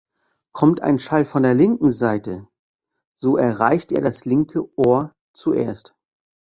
Kommt ein Schall von der linken Seite, so erreicht er das linke Ohr zuerst.